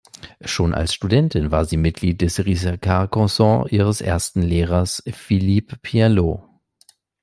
Schon als Studentin war sie Mitglied des „Ricercar Consort“ ihres ersten Lehrers Philippe Pierlot.